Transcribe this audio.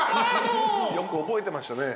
よく覚えてましたね。